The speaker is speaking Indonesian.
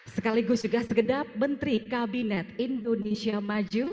sekaligus juga segedap menteri kabinet indonesia maju